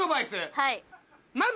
はい。